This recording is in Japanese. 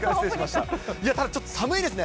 ただ、ちょっと寒いですね。